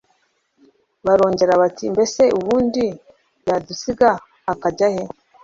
barongera bati mbese ubundi yadusiga akajya he